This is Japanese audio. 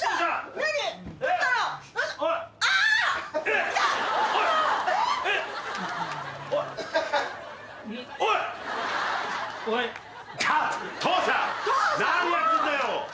何やってんだよ？